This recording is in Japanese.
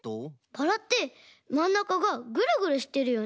バラってまんなかがぐるぐるしてるよね。